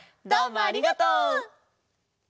どうもありがとう！